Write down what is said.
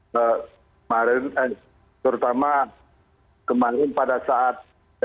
kemarin terutama kemarin pada saat